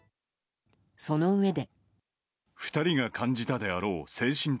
そのうえで。